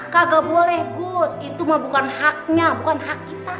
kagak boleh gus itu mah bukan haknya bukan hak kita